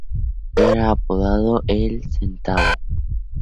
Era apodado "El Centavo".